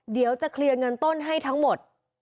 เดี๋ยวจะเคลียร์เงินต้นให้ทั้งหมด